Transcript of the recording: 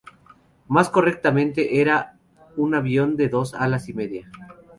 Más correctamente, era un avión de dos alas y media.